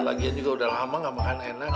lagian juga udah lama gak makan enak